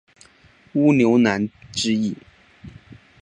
乌牛栏之役。